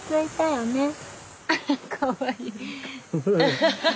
かわいい。